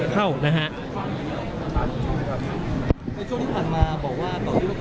เข้านะฮะ